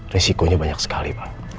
resikonya banyak sekali